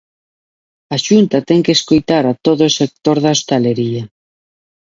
A Xunta ten que escoitar a todo o sector da hostalería.